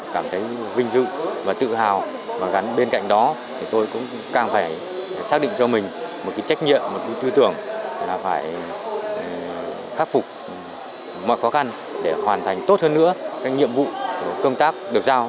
cảm thấy vinh dự và tự hào và gắn bên cạnh đó thì tôi cũng càng phải xác định cho mình một trách nhiệm một tư tưởng là phải khắc phục mọi khó khăn để hoàn thành tốt hơn nữa các nhiệm vụ công tác được giao